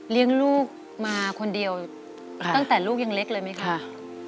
เลี้ยงลูกมาคนเดียวตั้งแต่ลูกยังเล็กเลยไหมคะ